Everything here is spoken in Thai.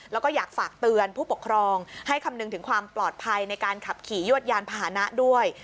แล้วก็อยากฝากเตือนผู้ปกครองให้คำนึงถึงความปลอดภัยในการขับขี่ยวดยานพาหนะด้วย